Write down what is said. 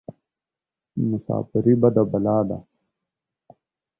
مساپرى بده بلا ده.